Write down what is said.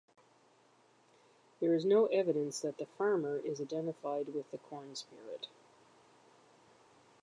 There is no evidence that the farmer is identified with the corn spirit.